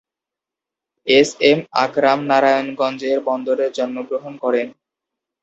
S M Akram নারায়ণগঞ্জের বন্দরে জন্মগ্রহণ করেন।